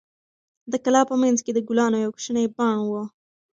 د کلا په منځ کې د ګلانو یو کوچنی بڼ و.